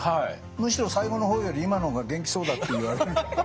むしろ最後の方より今の方が元気そうだって言われる。